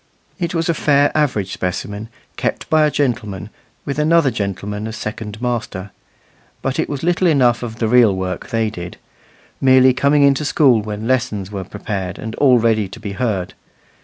It was a fair average specimen, kept by a gentleman, with another gentleman as second master; but it was little enough of the real work they did merely coming into school when lessons were prepared and all ready to be heard.